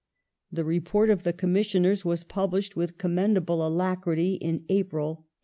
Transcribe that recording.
The report of the Commissioners was published with commendable alacrity in April, 1866.